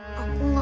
aku gak punya papa